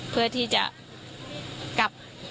เพื่อที่จะกลับ